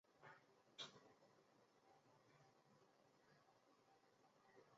黄龙尾为蔷薇科龙芽草属下的一个变种。